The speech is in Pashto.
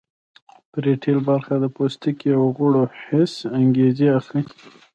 پریټل برخه د پوستکي او غړو حسي انګیزې اخلي